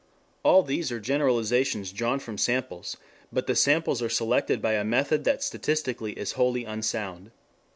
All these are generalizations drawn from samples, but the samples are selected by a method that statistically is wholly unsound.